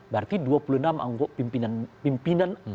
berarti dua puluh enam anggota pimpinan